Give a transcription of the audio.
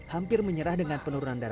hampir menyerah dengan penurunan data